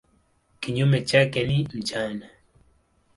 Kinyume chake ni mchana.